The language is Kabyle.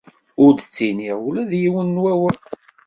Ur d-ttiniɣ ula d yiwen n wawal.